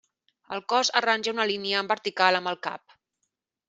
El cos arranja una línia en vertical amb el cap.